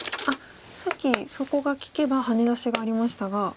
さっきそこが利けばハネ出しがありましたが。